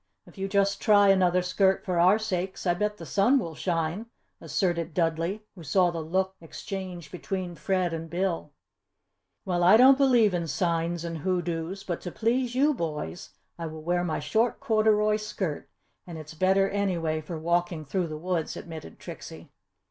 If you just try another skirt for our sakes, I bet the sun will shine!" asserted Dudley, who saw the look exchanged between Fred and Bill. "Well, I don't believe in signs and hoodoos but to please you boys I will wear my short corduroy skirt and it's better anyway for walking through the woods," admitted Trixie.